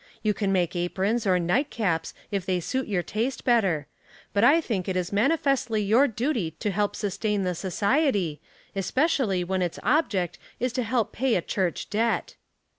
You can make aprons or night caps if they suit your taste better; but I think it is mnn ifestly your duty to help sustain the society, especially when its object is to help pay a church debt."